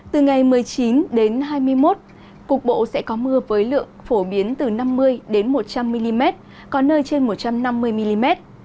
từ ngày một mươi chín đến hai mươi một cục bộ sẽ có mưa với lượng phổ biến từ năm mươi một trăm linh mm có nơi trên một trăm năm mươi mm